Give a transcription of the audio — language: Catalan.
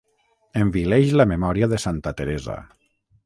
Envileix la memòria de santa Teresa.